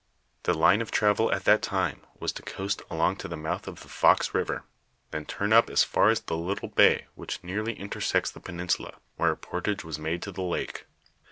The line of travel at that time was to coast along to the month of Fox river, tlien turn up as far as the little bay which nearly intersects the peninsula, where a portage was made to the lake.